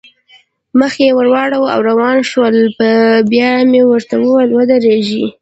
مخ یې واړاوه او روان شول، بیا مې ورته وویل: ودرېږئ.